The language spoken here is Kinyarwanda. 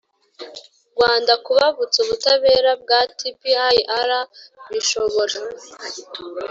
rwanda. kubavutsa ubutabera bwa tpir bishobora